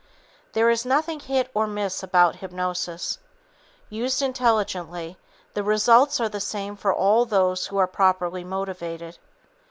There is nothing hit or miss about hypnosis. Used intelligently, the results are the same for all those who are properly motivated.